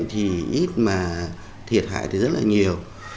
thiệt hại rất là nhiều